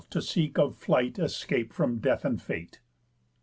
To seek of Flight escape from Death and Fate.